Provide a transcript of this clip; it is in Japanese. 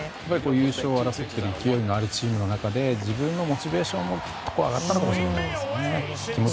優勝争いという勢いのあるチームの中で自分のモチベーションも上がったのかもしれないですね。